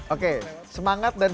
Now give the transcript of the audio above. oke semangat dan